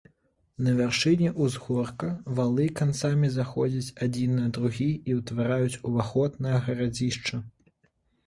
На вяршыні ўзгорка валы канцамі заходзяць адзін за другі і ўтвараюць уваход на гарадзішча.